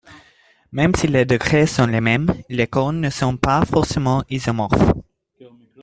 Même si les degrés sont les mêmes, les corps ne sont pas forcément isomorphes.